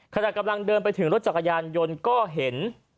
ขณะกำลังเดินไปถึงรถจักรยานยนต์ก็เห็น